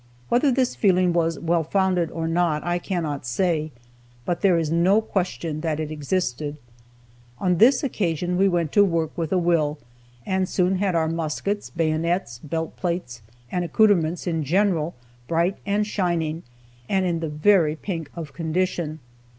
Whether this feeling was well founded, or not, I cannot say, but there is no question that it existed. On this occasion we went to work with a will, and soon had our muskets, bayonets, belt plates, and accouterments in general, bright and shining, and in the very pink of condition.